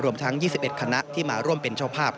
ทั้ง๒๑คณะที่มาร่วมเป็นเจ้าภาพ